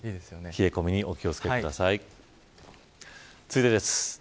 冷え込みにお気を付けください。続いてです。